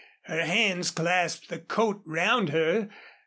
Her hands clasped the coat round her.